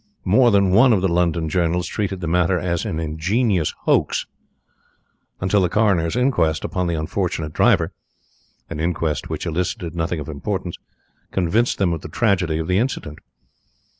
More than one of the London journals treated the matter as an ingenious hoax, until the coroner's inquest upon the unfortunate driver (an inquest which elicited nothing of importance) convinced them of the tragedy of the incident.